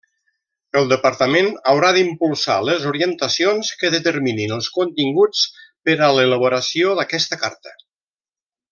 El Departament haurà d'impulsar les orientacions que determinin els continguts per a l'elaboració d'aquesta carta.